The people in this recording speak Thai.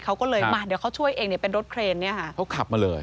เขาก็เลยมาเดี๋ยวเขาช่วยเองเนี่ยเป็นรถเครนเนี่ยค่ะเขาขับมาเลย